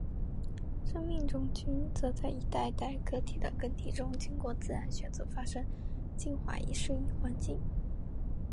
生命种群则在一代代个体的更替中经过自然选择发生进化以适应环境。